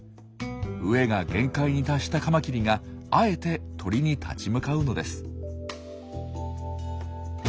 飢えが限界に達したカマキリがあえて鳥に立ち向かうのです。